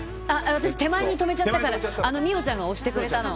私、手前に止めちゃったから美桜ちゃんが押してくれたの。